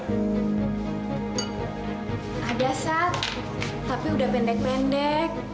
tapi udah pendek pendek